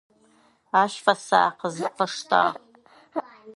Ащ фэсакъзэ къыштагъ.